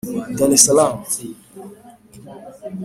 Dar es salaam